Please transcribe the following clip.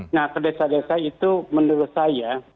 nah ke desa desa itu menurut saya